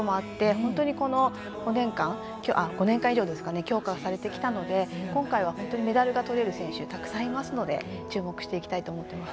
本当にこの５年間以上強化されてきたので今回はメダルがとれる選手がたくさんいますので注目していきたいと思ってます。